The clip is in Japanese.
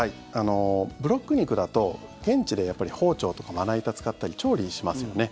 ブロック肉だと現地で包丁とかまな板を使ったり調理しますよね。